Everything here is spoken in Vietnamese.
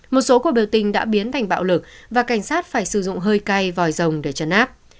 một số cuộc biểu tình đã biến thành bạo lực và cảnh sát phải sử dụng hơi cay vòi rồng để trấn áp